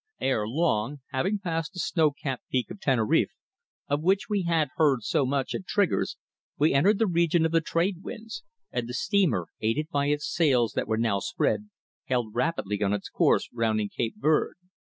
Ere long, having passed the snow capped peak of Teneriffe of which we had heard so much at Trigger's, we entered the region of the trade winds, and the steamer, aided by its sails that were now spread, held rapidly on its course rounding Cape Verd.